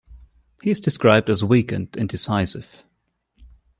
He is described as weak and indecisive.